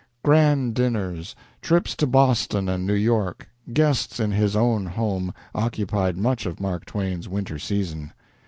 Grand dinners, trips to Boston and New York, guests in his own home, occupied much of Mark Twain's winter season.